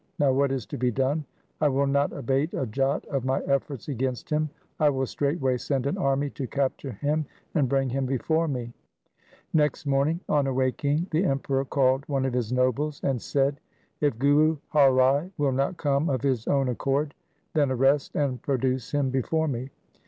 Now what is to be done ? I will not abate a j ot of my efforts against him. I will straight way send an army to capture him and bring him SIKH. IV X 3o6 THE SIKH RELIGION before me.' Next morning, on awaking, the Emperor called one of his nobles and said, ' If Guru Har Rai will not come of his own accord, then arrest and produce him before me.